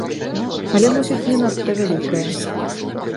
Але, мусіць, не надта вялікія.